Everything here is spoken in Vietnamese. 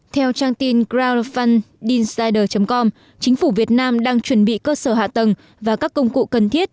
theo trang tin grafund dinsyder com chính phủ việt nam đang chuẩn bị cơ sở hạ tầng và các công cụ cần thiết